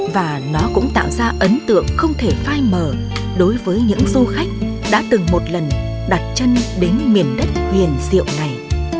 và nó cũng tạo ra ấn tượng không thể phai mờ đối với những du khách đã từng một lần đặt chân đến miền đất huyền diệu này